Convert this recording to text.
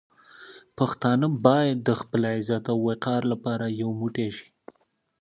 پښتانه باید د خپل عزت او وقار لپاره یو موټی شي.